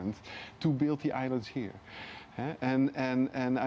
untuk membangun pulau di sini